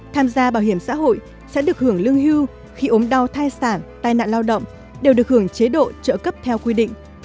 tham gia bảo hiểm xã hội sẽ được hưởng lương hưu khi ốm đau thai sản tai nạn lao động đều được hưởng chế độ trợ cấp theo quy định